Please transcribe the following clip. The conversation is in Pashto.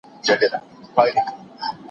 ولي په باطله نکاح کي طلاق نسته؟